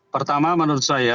pertama menurut saya